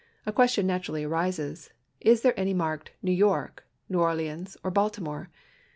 a question naturally arises. Is there any marked " New York," " New Orleans," or " Baltimore